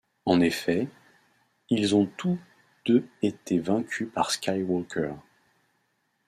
En effet, ils ont tous deux été vaincus par Skywalker.